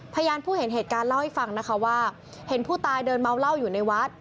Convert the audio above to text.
พยานผู้เห็นเหตุการณ์เล่าให้ฟังนะคะว่าเห็นผู้ตายเดินเมาเหล้าอยู่ในวัด